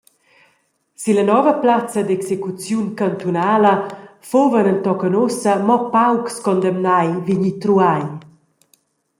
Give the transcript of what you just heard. Silla nova plazza d’execuziun cantunala fuvan entochen ussa mo paucs condemnai vegni truai.